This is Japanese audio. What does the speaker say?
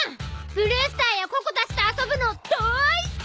ブルースターやココたちと遊ぶのだいすき！